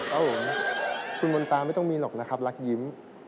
ครับผมคุณมนตาไม่ต้องมีหรอกนะครับรักยิ้ม